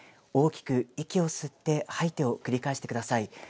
大きく息を吸って吐いてを繰り返してください。